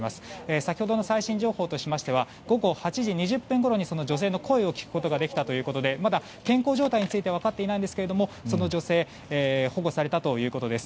先ほどの最新情報としましては午後８時２０分ごろにその女性の声を聞くことができたということでまだ健康状態については分かっていないんですがその女性保護されたということです。